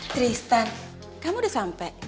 tristan kamu udah sampe